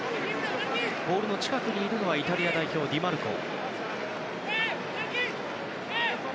ボールの近くにいるのはイタリア代表、ディマルコ。